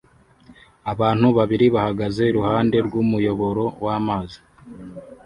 Abantu babiri bahagaze iruhande rw'umuyoboro w'amazi